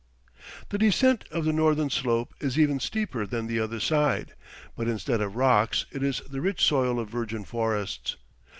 The descent of the northern slope is even steeper than the other side; but instead of rocks, it is the rich soil of virgin forests.